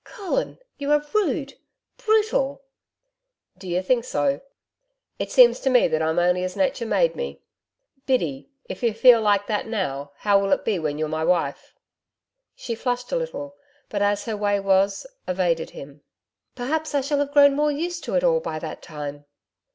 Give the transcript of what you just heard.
'Colin, you are rude brutal.' 'D'ye think so? It seems to me that I'm only as Nature made me. Biddy if you feel like that now how will it be when you're my wife?' She flushed a little, but as her way was, evaded him. 'Perhaps I shall have grown more used to it all by that time.'